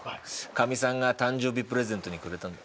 かみさんが誕生日プレゼントにくれたんだ。